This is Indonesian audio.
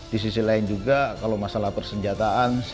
di sisi lain juga kalau masalah persenjataan